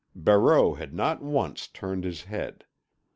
Barreau had not once turned his head.